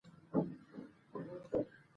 درييمه اصلي موضوع مې د هندي سبک تاريخچه ده